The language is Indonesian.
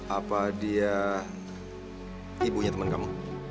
apa dia ibunya teman kamu